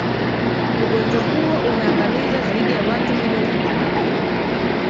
ugonjwa huo umeangamiza zaidi ya watu milioni thalathini